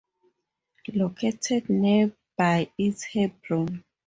Located nearby is Hebron.